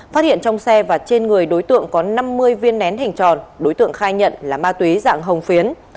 phát hiện trong xe và trên người đối tượng có năm mươi viên nén hình tròn đối tượng khai nhận là ma túy dạng hồng phiến